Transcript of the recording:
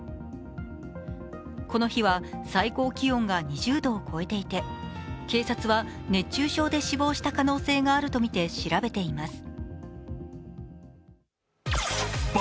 この日は最高気温が２０度を超えていて警察は熱中症で死亡した可能性があるとみて調べています。